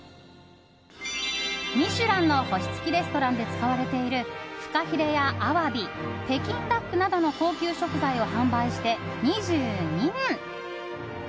ミシュランの星付きレストランで使われているフカヒレやアワビ北京ダックなどの高級食材を販売して２２年。